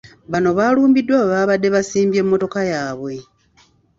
Bano baalumbiddwa we baabadde baasimbye mmotoka yaabwe.